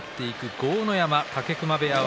豪ノ山、武隈部屋。